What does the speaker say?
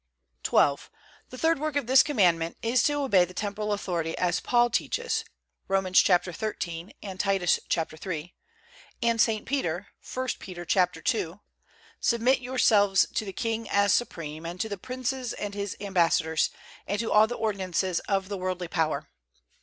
XII. The third work of this Commandment is to obey the temporal authority, as Paul teaches, Romans xiii, and Titus iii, and St. Peter, I. Peter ii: "Submit yourselves to the king as supreme, and to the princes as his ambassadors, and to all the ordinances of the worldly power."